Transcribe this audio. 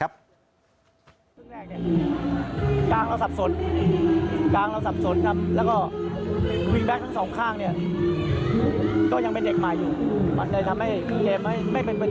เพราะบางตัวนี้ไม่เคยได้ซ้อมกับทีมไม่เคยได้เล่น